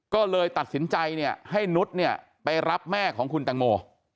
ก็เลยตัดสินใจเนี่ยให้นุษย์เนี่ยไปรับแม่ของคุณแตงโม